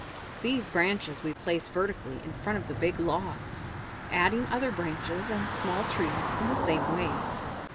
These branches we place vertically in front of the big logs, adding other branches and small trees in the same way.